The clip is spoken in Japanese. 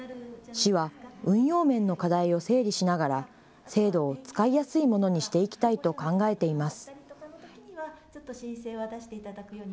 市は運用面の課題を整理しながら制度を使いやすいものにしていきたいと考えています。